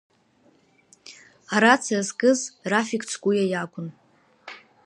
Арациа зкыз Рафик Цкуа иакәын.